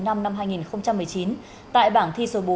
năm năm hai nghìn một mươi chín tại bảng thi số bốn